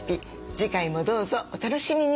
次回もどうぞお楽しみに。